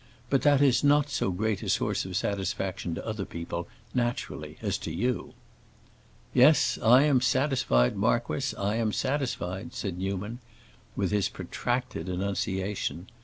"But that is not so great a source of satisfaction to other people, naturally, as to you." "Yes, I am satisfied, marquis, I am satisfied," said Newman, with his protracted enunciation.